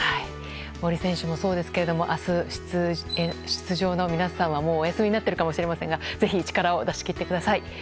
森選手もそうですけど明日、出場の皆さんはもうお休みになってるかもしれませんが、ぜひ、力を出し切ってください。